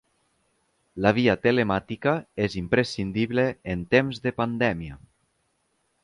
La via telemàtica és imprescindible en temps de pandèmia.